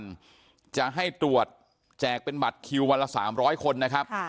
จะให้ตรวจแจกเป็นบัตรคิววันละ๓๐๐คนนะครับ